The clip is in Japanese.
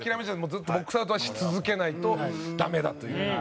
ずっと、ボックスアウトはし続けないとダメだという。